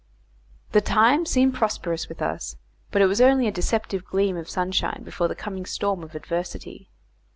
The times seemed prosperous with us, but it was only a deceptive gleam of sunshine before the coming storm of adversity.